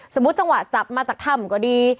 สมมุติจังหวะจับมาจากถ้ำก็ดี